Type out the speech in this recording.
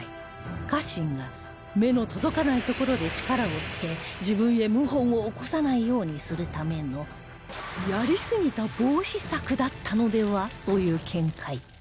家臣が目の届かない所で力をつけ自分へ謀反を起こさないようにするためのやりすぎた防止策だったのでは？という見解